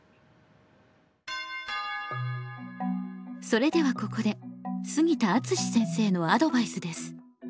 それではここで杉田敦先生のアドバイスです。